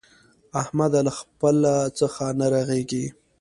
احمده! له خپله څخه نه رغېږي.